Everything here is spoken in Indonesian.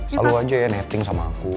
selalu aja ya netting sama aku